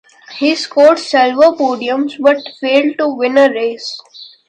He scored several podiums but failed to win a race.